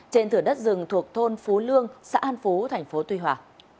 trên thửa đất rừng thuộc thôn phú lương xã an phú tp tuy hòa